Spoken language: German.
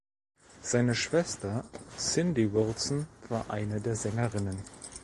Seine Schwester Cindy Wilson war eine der Sängerinnen.